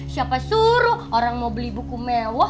siapa suruh orang mau beli buku mewah